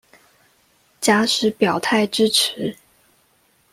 假使表態支持